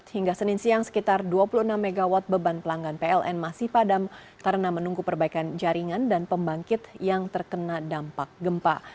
hingga senin siang sekitar dua puluh enam mw beban pelanggan pln masih padam karena menunggu perbaikan jaringan dan pembangkit yang terkena dampak gempa